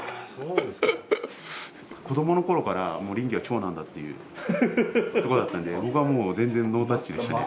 子どもの頃から林業は長男だっていうとこだったんで僕はもう全然ノータッチでしたね。